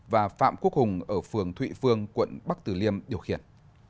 và phạm quốc hùng ở phường thụy phương quận bắc tử liêm điều khiển